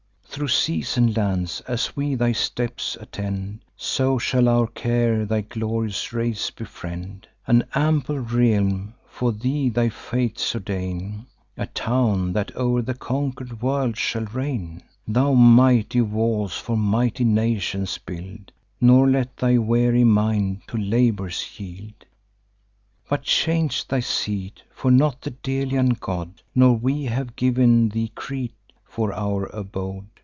Thro' seas and lands as we thy steps attend, So shall our care thy glorious race befriend. An ample realm for thee thy fates ordain, A town that o'er the conquer'd world shall reign. Thou, mighty walls for mighty nations build; Nor let thy weary mind to labours yield: But change thy seat; for not the Delian god, Nor we, have giv'n thee Crete for our abode.